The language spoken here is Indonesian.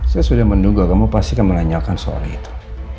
saya sudah menduga kamu pasti akan menanyakan soal itu